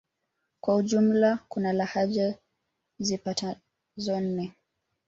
Kwa ujumla kuna lahaja zipatazo nne